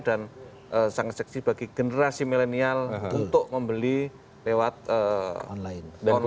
dan sangat seksi bagi generasi milenial untuk membeli lewat online khususnya media sosial